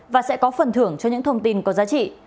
và sẽ có phần thưởng cho những thông tin có giá trị